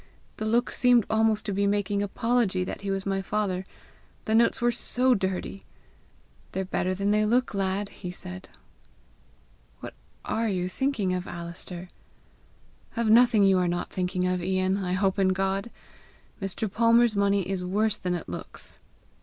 The look seemed almost to be making apology that he was my father the notes were SO DIRTY! 'They're better than they look, lad!' he said." "What ARE you thinking of, Alister?" "Of nothing you are not thinking of, Ian, I hope in God! Mr. Palmer's money is worse than it looks."